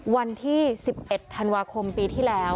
วันที่๑๑ธันวาคมปีที่แล้ว